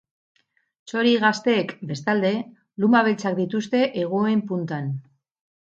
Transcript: Txori gazteek, bestalde, luma beltzak dituzte hegoen puntan.